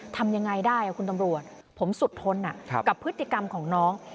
ทำยังไงได้คุณตำรวจผมสุดทนกับพฤติกรรมของน้อง